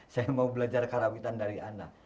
saya mau belajar karawitan dari anda